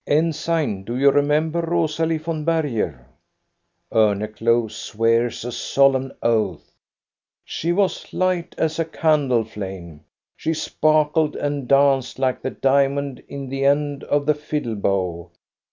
"Ensign, do you remember Rosalie von Berger?" Orneclou swears a solemn oath. "She was light as a candle flame. She sparkled and danced like the diamond in the end of the fiddle bow.